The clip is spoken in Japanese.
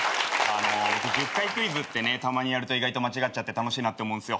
１０回クイズってねたまにやると意外と間違っちゃって楽しいなって思うんすよ。